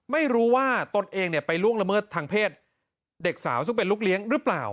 ไม่รู้ว่าตนเองไปล่วงละเมิดทางเพศเด็กสาวซึ่งเป็นลูกเลี้ยงหรือเปล่า